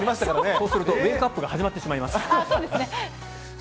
そうするとウェークアップが始まってしまいます。